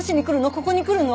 ここに来るの？